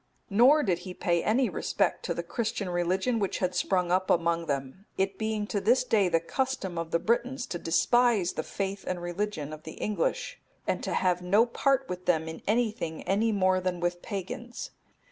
Nor did he pay any respect to the Christian religion which had sprung up among them; it being to this day the custom of the Britons to despise the faith and religion of the English, and to have no part with them in anything any more than with pagans.